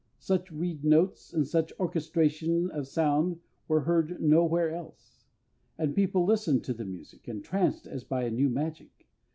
Such reed notes and such orchestration of sound were heard nowhere else; and people listened to the music, entranced as by a new magic.